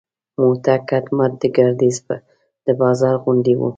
موته کټ مټ د ګردیز د بازار غوندې و.